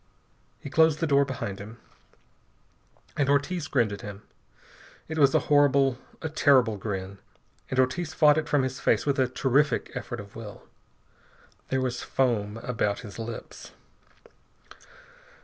He closed the door behind him, and Ortiz grinned at him. It was a horrible, a terrible grin, and Ortiz fought it from his face with a terrific effort of will. There was foam about his lips.